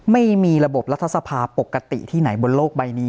ไม่มีระบบรัฐสภาปกติที่ไหนบนโลกใบนี้